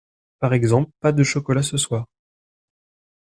Par exemple, pas de chocolat ce soir.